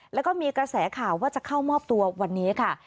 แล้วก็มีกระแสข่าวว่าจะเข้ามอบตัววันนี้ค่ะ